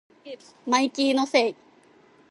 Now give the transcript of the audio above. マイキーのせい